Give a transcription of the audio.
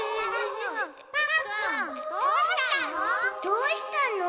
どうしたの？